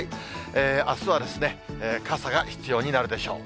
あすは傘が必要になるでしょう。